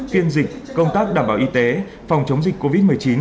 phiên dịch công tác đảm bảo y tế phòng chống dịch covid một mươi chín